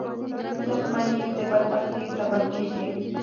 • دښمني د بدبختۍ سبب کېږي.